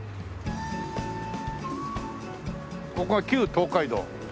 ここが旧東海道。